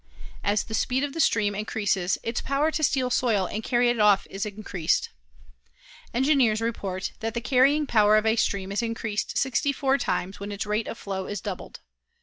As the speed of the stream increases its power to steal soil and carry it off is increased. Engineers report that the carrying power of a stream is increased 64 times when its rate of flow is doubled.